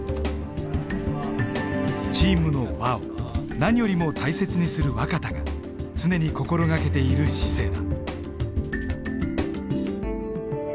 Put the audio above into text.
チームの和を何よりも大切にする若田が常に心掛けている姿勢だ。